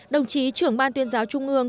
đồng chí chủ tịch nguyễn văn thưởng nhấn mạnh